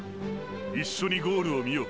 一緒にゴールを見よう！！